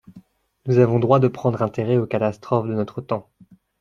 Nous avons droit de prendre intérêt aux catastrophes de notre temps.